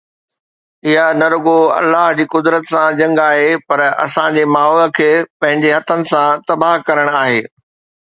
اها نه رڳو الله جي قدرت سان جنگ آهي پر اسان جي ماحول کي پنهنجي هٿن سان تباهه ڪرڻ آهي